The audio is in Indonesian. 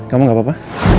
kamu gak apa apa